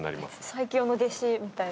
最強の弟子みたいな。